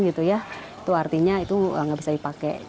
itu artinya tidak bisa dipakai